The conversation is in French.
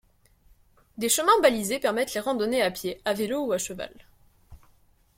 Des chemins balisés permettent les randonnées à pied, à vélo ou à cheval.